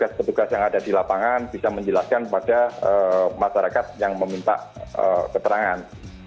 petugas petugas yang ada di lapangan bisa menjelaskan kepada masyarakat yang meminta keterangan